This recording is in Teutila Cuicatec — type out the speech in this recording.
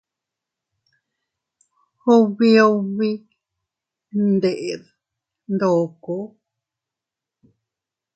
Ubi ubi ndede ndoko.